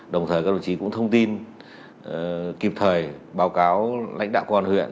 đồng thời các đồng chí cũng thông tin kịp thời báo cáo lãnh đạo công an huyện